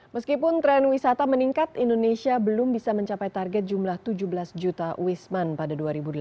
meskipun tren wisata meningkat indonesia belum bisa mencapai target jumlah tujuh belas juta wisman pada dua ribu delapan belas